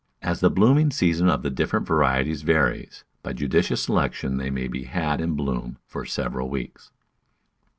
As the blooming season of the different varieties varies, by judicious selection they may be had in bloom for several weeks.